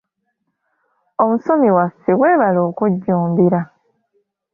Omusomi waffe, weebale okujjumbira.